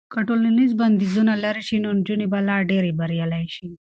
که ټولنیز بندیزونه لرې شي نو نجونې به لا ډېرې بریالۍ شي.